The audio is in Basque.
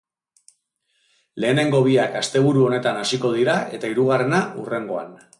Lehenengo biak asteburu honetan hasiko dira, eta hirugarrena, hurrengoan.